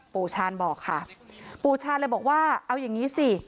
ชาญบอกค่ะปู่ชาญเลยบอกว่าเอาอย่างนี้สิ